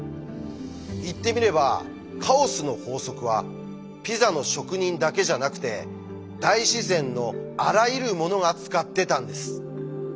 言ってみればカオスの法則はピザの職人だけじゃなくて大自然のあらゆるものが使ってたんです。